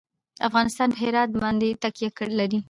افغانستان په هرات باندې تکیه لري.